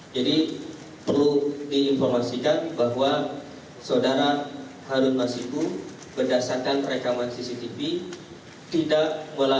jadi perlu diinformasikan bahwa saudara harun masiku berdasarkan rekaman cctv tidak melalui